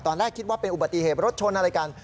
ตอนแรกคิดว่าเป็นอุบัติเหตุรถชนอะไรกัน